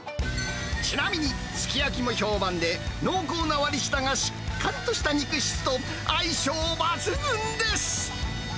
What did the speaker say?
ちなみに、すき焼きも評判で、濃厚な割り下がしっかりとした肉質と相性抜群です。